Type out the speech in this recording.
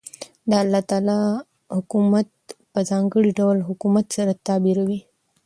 او دالله تعالى حكومت په ځانګړي ډول حكومت سره تعبيروي .